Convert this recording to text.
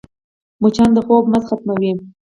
مچان د خوب مزه ختموي